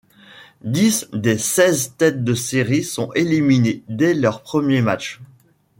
Dix des seize têtes de série sont éliminées dès leur premier match.